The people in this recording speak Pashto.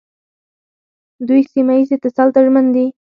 دوی سیمه ییز اتصال ته ژمن دي.